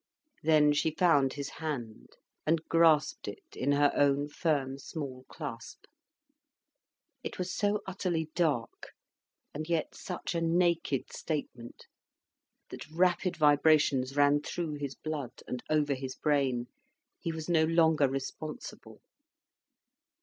Then she found his hand, and grasped it in her own firm, small clasp. It was so utterly dark, and yet such a naked statement, that rapid vibrations ran through his blood and over his brain, he was no longer responsible.